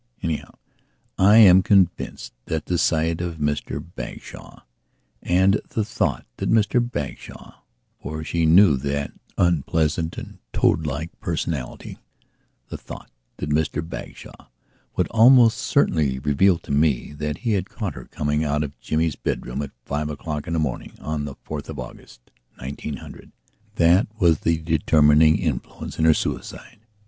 Anyhow, I am convinced that the sight of Mr Bagshawe and the thought that Mr Bagshawefor she knew that unpleasant and toadlike personalitythe thought that Mr Bagshawe would almost certainly reveal to me that he had caught her coming out of Jimmy's bedroom at five o'clock in the morning on the 4th of August, 1900that was the determining influence in her suicide.